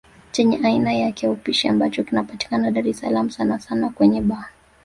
Chenye aina yake ya upishi ambacho kinapatikana Dar es salaam sana sana kwenye baa